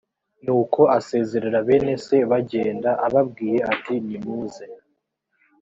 nuko asezerera bene se bagenda ababwiye ati nimuze